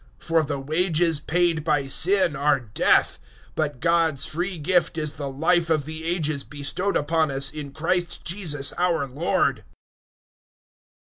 006:023 For the wages paid by Sin are death; but God's free gift is the Life of the Ages bestowed upon us in Christ Jesus our Lord.